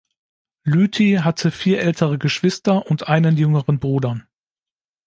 Lüthi hatte vier ältere Geschwister und einen jüngeren Bruder.